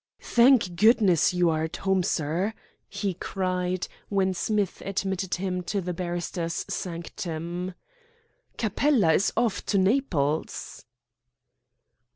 "Thank goodness you are at home, sir." he cried, when Smith admitted him to the barrister's sanctum. "Capella is off to Naples."